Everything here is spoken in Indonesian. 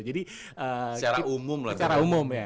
jadi secara umum ya